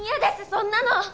そんなの。